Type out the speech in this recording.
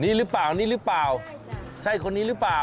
นี่รึเปล่านี่รึเปล่าใช่คนนี้รึเปล่า